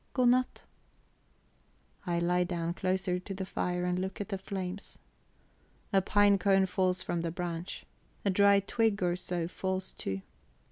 "Godnat." I lie down closer to the fire, and look at the flames. A pine cone falls from the branch; a dry twig or so falls too.